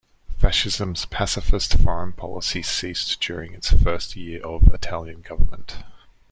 Fascism's pacifist foreign policy ceased during its first year of Italian government.